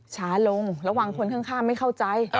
ช้าลงระวังคนข้างไม่เข้าใจ